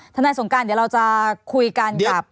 นายสงการเดี๋ยวเราจะคุยกันกับ